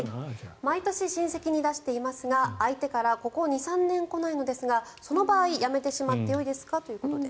毎年親戚に出していますが相手からここ２３年来ないのですがその場合、やめてしまってよいですか？ということです。